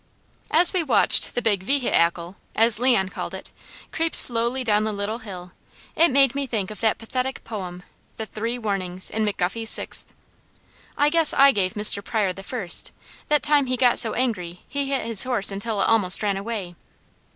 As we watched the big ve hi ackle, as Leon called it, creep slowly down the Little Hill, it made me think of that pathetic poem, "The Three Warnings," in McGuffey's Sixth. I guess I gave Mr. Pryor the first, that time he got so angry he hit his horse until it almost ran away.